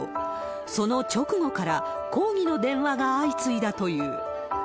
その直後から、抗議の電話が相次いだという。